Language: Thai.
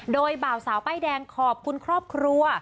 โดยบ่าวสาวป้ายแดงขอบคุณครอบครัว